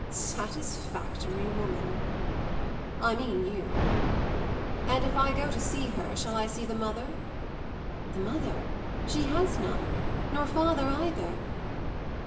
"Satisfactory woman! I mean you. And if I go to see her shall I see the mother?" "The mother? She has none nor father either."